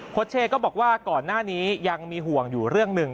เชก็บอกว่าก่อนหน้านี้ยังมีห่วงอยู่เรื่องหนึ่ง